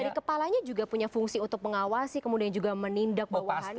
dari kepalanya juga punya fungsi untuk mengawasi kemudian juga menindak bawahannya